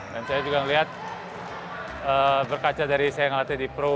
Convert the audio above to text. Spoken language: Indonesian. dan saya juga melihat berkaca dari saya yang latih di pro